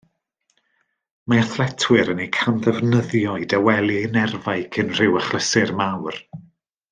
Mae athletwyr yn eu camddefnyddio i dawelu eu nerfau cyn rhyw achlysur mawr